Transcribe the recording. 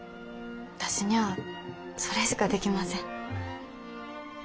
私にゃあそれしかできません。